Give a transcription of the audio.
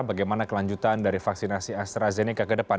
bagaimana kelanjutan dari vaksinasi astrazeneca ke depan